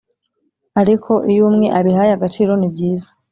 ariko iyo umwe abihaye agaciro nibyiza